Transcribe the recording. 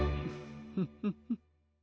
フフフ。